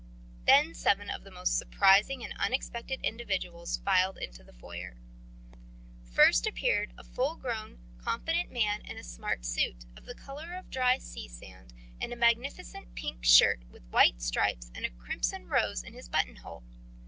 Then seven of the most surprising and unexpected individuals filed into the foyer. First appeared a full grown, confident man in a smart suit, of the colour of dry sea sand, in a magnificent pink shirt with white stripes and a crimson rose in his buttonhole.